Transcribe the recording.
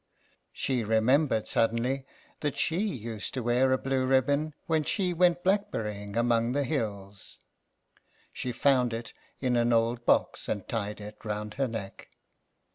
She remembered suddenly that she used to wear a blue ribbon when she went black berrying among the hills ; she found it in an old box and tied it round her neck.